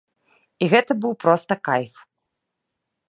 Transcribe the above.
І гэта быў проста кайф.